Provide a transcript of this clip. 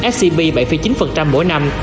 scb bảy chín mỗi năm